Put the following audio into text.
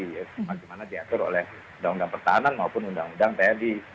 sebagaimana diatur oleh undang undang pertahanan maupun undang undang tni